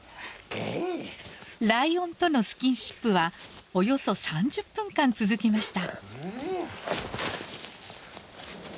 ライオンとのスキンシップはおよそ３０分間続きました。